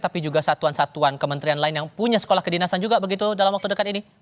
tapi juga satuan satuan kementerian lain yang punya sekolah kedinasan juga begitu dalam waktu dekat ini